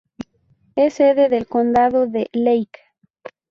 Es sede del condado de Lake.